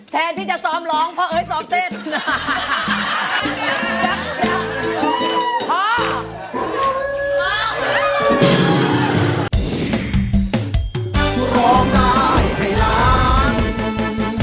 แทนที่จะซ้อมร้องเพราะเอ้ยซ้อมเต้น